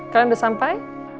kalian udah sampai